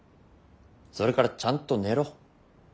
それからちゃんと寝ろ。